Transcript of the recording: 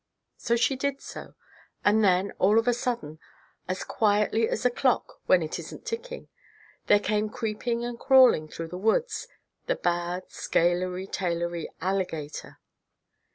So she did so, and then, all of a sudden, as quietly as a clock when it isn't ticking, there came creeping and crawling through the woods, the bad scalery tailery alligator.